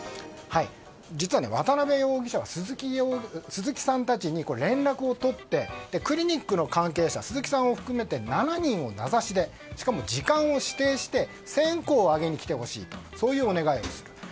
実は渡辺容疑者は鈴木さんたちに連絡を取ってクリニックの関係者鈴木さんを含めて７人を名指しで、しかも時間を指定して線香をあげに来てほしいとそういうお願いをする。